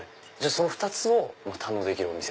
その２つを堪能できるお店。